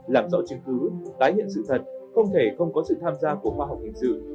làm rõ chứng cứ tái hiện sự thật không thể không có sự tham gia của khoa học hình sự